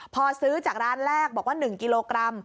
พอซื้อจากร้านแรกบอกว่า๑กิโลกรัม